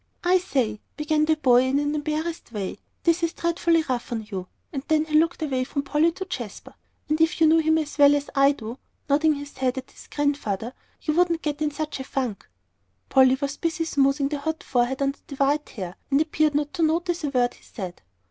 "I say," began the boy, in an embarrassed way, "this is dreadfully rough on you," and then he looked away from Polly to Jasper. "And if you knew him as well as I do," nodding his head at his Grandfather, "you wouldn't get in such a funk." Polly was busy smoothing the hot forehead under the white hair, and appeared not to notice a word he said.